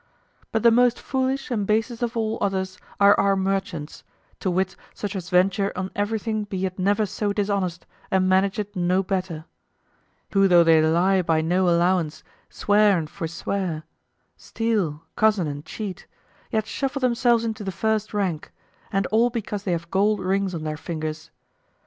But the most foolish and basest of all others are our merchants, to wit such as venture on everything be it never so dishonest, and manage it no better; who though they lie by no allowance, swear and forswear, steal, cozen, and cheat, yet shuffle themselves into the first rank, and all because they have gold rings on their fingers.